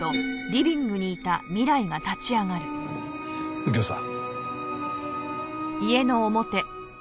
右京さん。